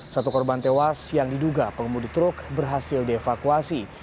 satu korban tewas yang diduga pengemudi truk berhasil dievakuasi